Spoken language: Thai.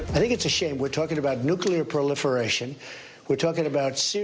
มันก็ไม่ชีวิตเราพูดถึงเรื่องมีโลกวิว